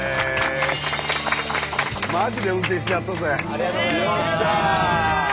ありがとうございます！